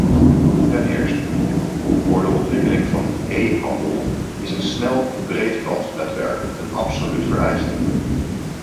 Ten eerste, voor de ontwikkeling van e-handel is een snel breedbandnetwerk een absoluut vereiste.